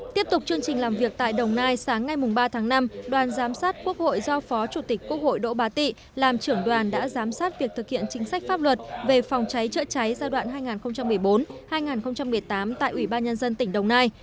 tiếp tục chương trình làm việc tại đồng nai sáng ngày ba tháng năm đoàn giám sát quốc hội do phó chủ tịch quốc hội đỗ bá tị làm trưởng đoàn đã giám sát việc thực hiện chính sách pháp luật về phòng cháy chữa cháy giai đoạn hai nghìn một mươi bốn hai nghìn một mươi tám tại ủy ban nhân dân tỉnh đồng nai